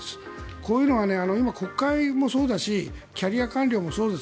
こういうのは今、国会もそうだしキャリア官僚もそうです。